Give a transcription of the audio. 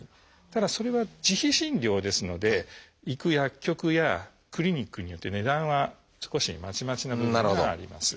ただそれは自費診療ですので行く薬局やクリニックによって値段は少しまちまちな部分があります。